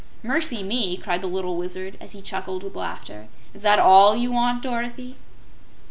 "Mercy me!" cried the little Wizard, as he chuckled with laughter. "Is that ALL you want, Dorothy?"